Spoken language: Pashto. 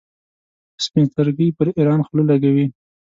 په سپین سترګۍ پر ایران خوله لګوي.